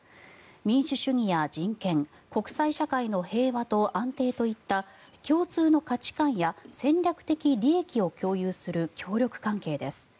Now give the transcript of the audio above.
民主主義や人権国際社会の平和と安定といった共通の価値観や戦略的利益を共有する協力関係です。